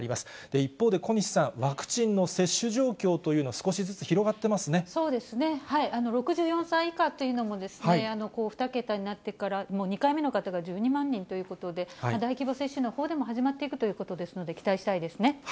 一方で、小西さん、ワクチンの接種状況というのは、少しずつ広がそうですね、６４歳以下というのもですね、２桁になってから、２回目の方が１２万人ということで、大規模接種のほうでも始まっていくということですので、期待したいですね。